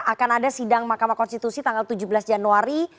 akan ada sidang mahkamah konstitusi tanggal tujuh belas januari